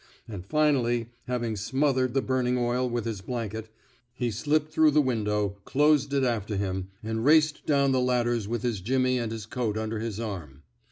And finally, hav ing smothered the burning oil with his blan ket, he slipped through the window, closed it after him, and raced down the ladders with his jimmy and his coat under his arm.